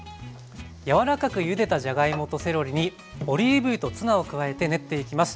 柔らかくゆでたじゃがいもとセロリにオリーブ油とツナを加えて練っていきます。